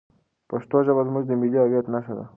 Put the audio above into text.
پښتو ژبه زموږ د ملي هویت نښه ده.